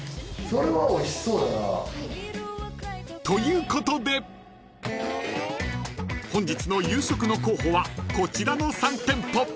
［ということで本日の夕食の候補はこちらの３店舗］